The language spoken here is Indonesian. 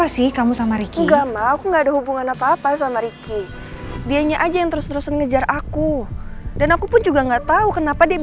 sampai jumpa di video selanjutnya